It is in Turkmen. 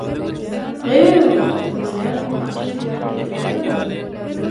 – Gyýw, bolýa diýip agşam süýräp getiräýmegin.